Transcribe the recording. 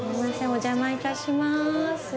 お邪魔いたします。